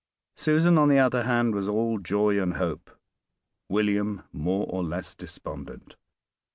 Susan, on the other hand, was all joy and hope; William more or less despondent.